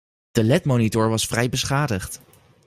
De LED monitor was vrij beschadigd.